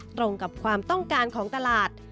ตรงกับความต้องการของตลาด